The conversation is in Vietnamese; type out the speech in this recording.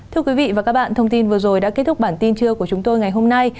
thưa quý vị và các bạn thông tin vừa rồi đã kết thúc bản tin trưa của chúng tôi ngày hôm nay